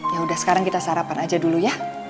yaudah sekarang kita sarapan aja dulu ya